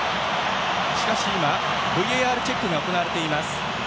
しかし、今ＶＡＲチェックが行われています。